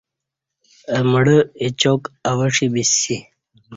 اہ مڑہ اچاک اوہ ݜی بیسی